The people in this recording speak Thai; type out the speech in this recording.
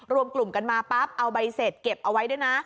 รวมกลุ่มกันมาปั๊บเอาใบเสร็จเก็บเอาไว้ด้วยนะ